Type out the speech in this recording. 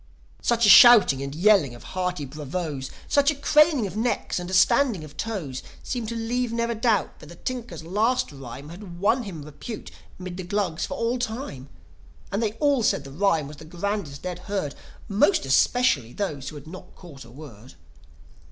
................... Such a shouting and yelling of hearty Bravoes, Such a craning of necks and a standing on toes Seemed to leave ne'er a doubt that the Tinker's last rhyme Had now won him repute 'mid the Glugs for all time. And they all said the rhyme was the grandest they'd heard: More especially those who had not caught a word.